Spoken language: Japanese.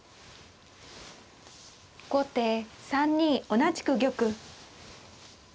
後手３二同じく玉。